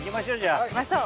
早速行きましょう。